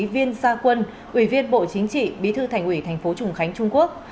viên gia quân ủy viên bộ chính trị bí thư thành ủy thành phố trùng khánh trung quốc